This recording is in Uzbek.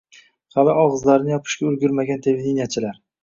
Hali og‘izlarini yopishga ulgurmagan televideniyechilar